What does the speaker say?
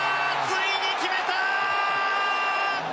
ついに決めた！